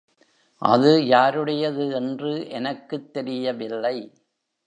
அது யாருடையது என்று எனக்குத் தெரியவில்லை.